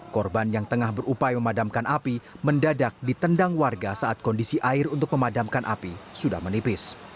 korban yang tengah berupaya memadamkan api mendadak ditendang warga saat kondisi air untuk memadamkan api sudah menipis